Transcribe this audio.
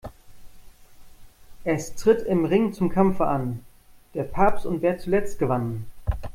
Es tritt im Ring zum Kampfe an: Der Papst und wer zuletzt gewann.